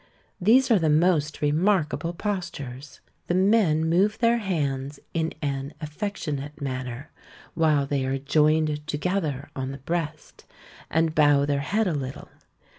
These are the most remarkable postures. The men move their hands in an affectionate manner, while they are joined together on the breast, and bow their head a little.